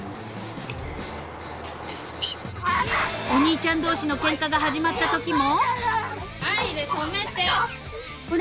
［お兄ちゃん同士のケンカが始まったときも］